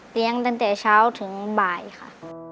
เลี้ยงตั้งแต่เช้าถึงบ่ายค่ะ